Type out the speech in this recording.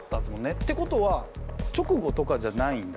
ってことは直後とかじゃないんだ。